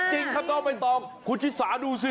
จริงครับต้องเป็นต้องคุณชิศาดูสิ